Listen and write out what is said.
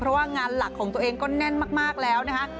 เพราะว่างานหลักของตัวเองก็แน่นมากแล้วนะคะ